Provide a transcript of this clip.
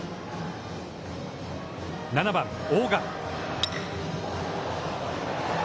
７番大賀。